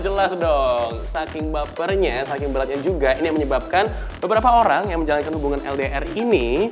jelas dong saking bapernya saking beratnya juga ini yang menyebabkan beberapa orang yang menjalankan hubungan ldr ini